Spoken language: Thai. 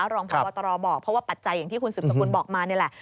รองพบตรบอกเพราะว่าปัจจัยอย่างที่คุณสืบสกุลบอกมานี่แหละ